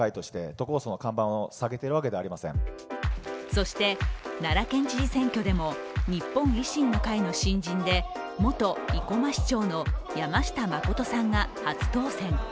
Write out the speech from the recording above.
そして、奈良県知事選挙でも日本維新の会の新人で元生駒市長の山下真さんが初当選。